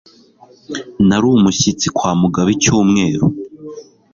Nari umushyitsi kwa Mugabo icyumweru.